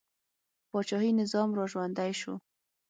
پاچاهي نظام را ژوندی شو.